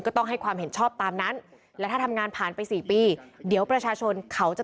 ก็ต้องให้ความเห็นชอบตามนั้น